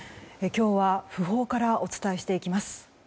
今日は訃報からお伝えしていきます。